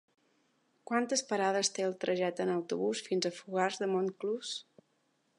Quantes parades té el trajecte en autobús fins a Fogars de Montclús?